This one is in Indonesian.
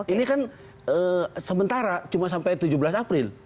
ini kan sementara cuma sampai tujuh belas april